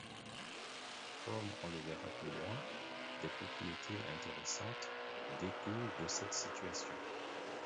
Comme on le verra plus loin, des propriétés intéressantes découlent de cette situation.